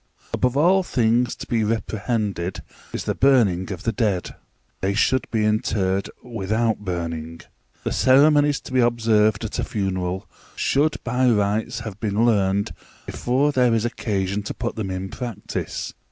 Above all things to be reprehended is the burning of the dead: they should be interred without burning. The ceremonies to be observed at a funeral should by rights have been learned before there is occasion to put them in practice.